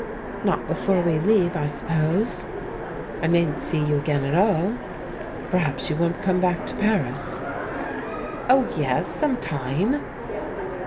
"Not before we leave, I suppose." "I mayn't see you again at all. Perhaps you won't come back to Paris." "Oh, yes — some time!"